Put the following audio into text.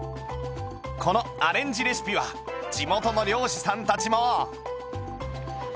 このアレンジレシピは地元の漁師さんたちも